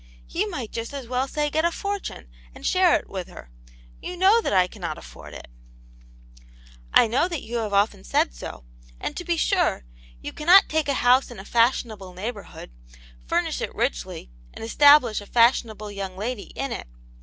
"You might just as well say get a fortune, and share it with her. You know that I cannot afford it "" I know that you have often said so, and to be sure, you cannot take a house in a fashionable neighbourhood, furnish it richly, and establish a fashionable young lady in it.